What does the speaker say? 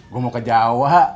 gua mau ke jawa